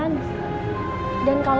lo tuh cuma kasihnya